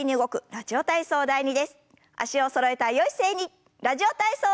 「ラジオ体操第２」。